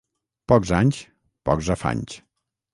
Pocs anys, pocs afanys.